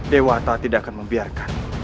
dewa tak tidak akan membiarkan